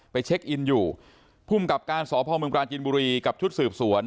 ไปเช็กอินอยู่พุ่มกรรฟการสภาวค์เมืองกลางจริงบุรีกับชุดสืบสวน